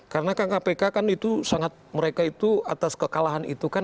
karena kpk kan itu sangat mereka itu atas kekalahan itu kan